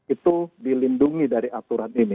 itu dilindungi dari aturan ini